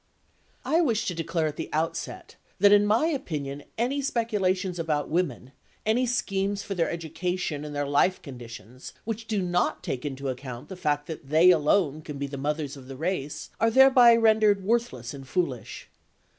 I wish to declare at the outset that in my opinion any speculations about women, any schemes for their education and their life conditions which do not take into account the fact that they alone can be the mothers of the race, are thereby rendered worthless and foolish.